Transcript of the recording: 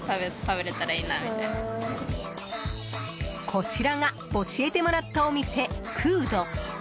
こちらが教えてもらったお店クウド。